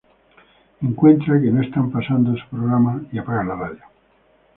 Encuentra que no están pasando su programa y apaga la radio.